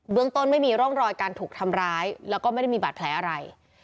ต้นไม่มีร่องรอยการถูกทำร้ายแล้วก็ไม่ได้มีบาดแผลอะไร